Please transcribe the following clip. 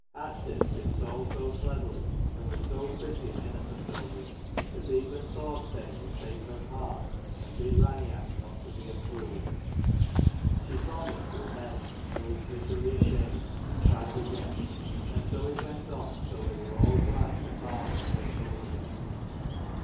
Asdis did it all so cleverly, and was so pretty and innocent over it, that even Thorstein would take her part and bid Rain each not be a fool. She promised to amend, and was bitterly ashamed, and' tried again : and so it went on until they were all glad to part and get home again.